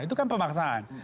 itu kan pemaksaan